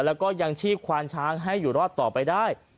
แล้วก็ยังชีพควานช้างให้อยู่รอดต่อไปได้